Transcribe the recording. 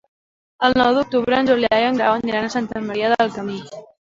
El nou d'octubre en Julià i en Grau aniran a Santa Maria del Camí.